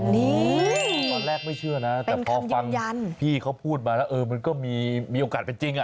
นี่ตอนแรกไม่เชื่อนะแต่พอฟังพี่เขาพูดมาแล้วเออมันก็มีโอกาสเป็นจริง